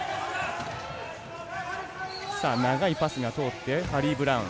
さあ長いパスが通ってハリー・ブラウン。